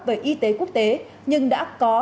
về y tế quốc tế nhưng đã có